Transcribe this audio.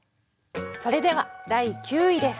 それでは第９位です。